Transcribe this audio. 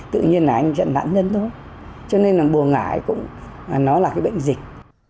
tự nhiên là anh dẫn nạn nhân thôi cho nên là bùa ngải cũng nó là cái bệnh dịch